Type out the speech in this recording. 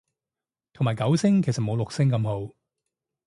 同埋九聲其實冇六聲咁好